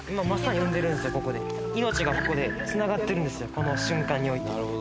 この瞬間において。